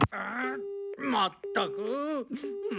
まったく。